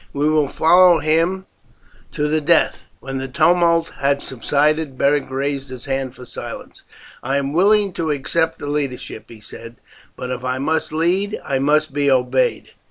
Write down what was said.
"We will follow him to the death." When the tumult had subsided, Beric raised his hand for silence. "I am willing to accept the leadership," he said; "but if I must lead I must be obeyed.